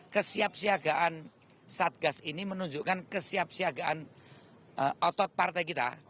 kesiap siagaan satgas ini menunjukkan kesiap siagaan otot partai kita